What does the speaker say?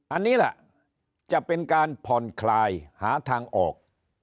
อันนี้แหละจะเป็นการผ่อนคลายหาทางออก